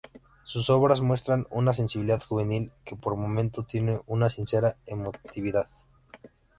Sus obras muestran una sensibilidad juvenil que por momentos tiene una sincera emotividad.